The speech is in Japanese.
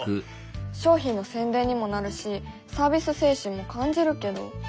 商品の宣伝にもなるしサービス精神も感じるけど。